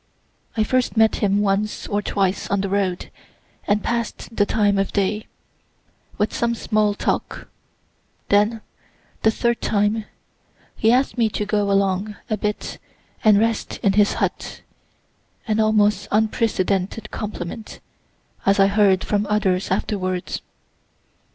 I first met him once or twice on the road, and pass'd the time of day, with some small talk; then, the third time, he ask'd me to go along a bit and rest in his hut (an almost unprecedented compliment, as I heard from others afterwards.)